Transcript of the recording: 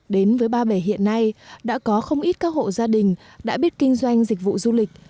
đến với ba bể hiện nay đã có không ít các hộ gia đình đã biết kinh doanh dịch vụ du lịch